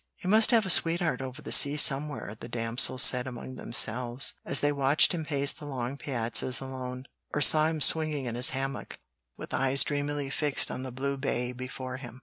"He must have a sweetheart over the sea somewhere," the damsels said among themselves, as they watched him pace the long piazzas alone, or saw him swinging in his hammock with eyes dreamily fixed on the blue bay before him.